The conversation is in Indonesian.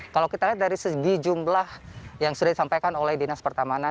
kalau kita lihat dari segi jumlah yang sudah disampaikan oleh dinas pertamanan